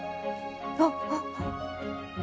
あっあっ。